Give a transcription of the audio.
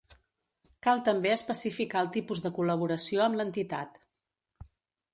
Cal també especificar el tipus de col·laboració amb l'entitat.